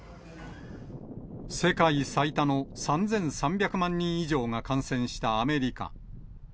世界最多の３３００万人以上が感染したアメリカ。